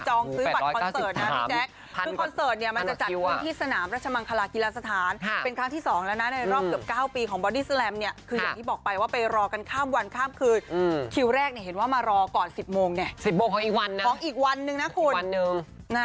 เหมือนว่ามารอก่อน๑๐โมงเนี่ย๑๐โมงของอีกวันนะของอีกวันหนึ่งนะคุณ